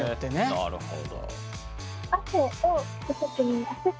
なるほど。